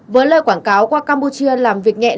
với lời quảng cáo qua campuchia làm việc nhẹ